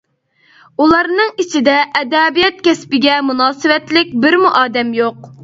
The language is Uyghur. ئۇلارنىڭ ئىچىدە ئەدەبىيات كەسپىگە مۇناسىۋەتلىك بىرمۇ ئادەم يوق.